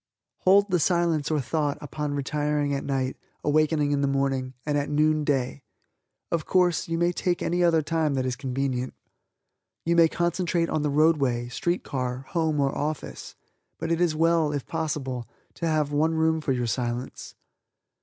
Hold the Silence or thought upon retiring at night, awakening in the morning, and at noon day. Of course, you may take any other time that is convenient. You may concentrate on the roadway, street car, home or office, but it is well, if possible, to have one room for your Silence.